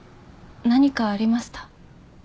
何かありました？